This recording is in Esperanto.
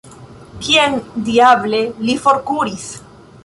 Kien, diable, li forkuris?